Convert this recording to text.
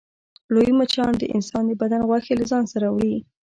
لوی مچان د انسان د بدن غوښې له ځان سره وړي